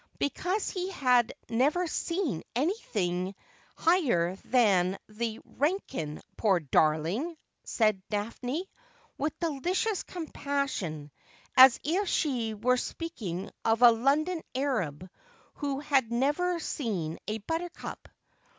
' Because he had never seen anything higher than the Wre kin, poor darling !' said Daphne, with delicious compassion ; as if she were speaking of a London Arab who had never seen a buttercup.